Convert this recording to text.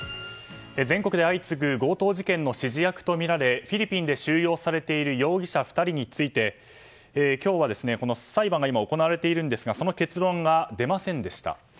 全国で相次ぐ強盗事件の指示役とみられフィリピンで収容されている容疑者２人について今日、裁判が行われているんですがその結論が出ませんでした。